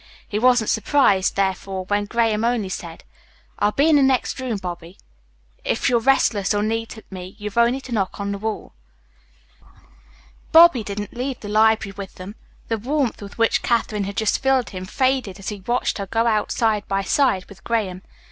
He wasn't surprised, therefore, when Graham only said: "I'll be in the next room, Bobby. If you're restless or need me you've only to knock on the wall." Bobby didn't leave the library with them. The warmth with which Katherine had just filled him faded as he watched her go out side by side with Graham.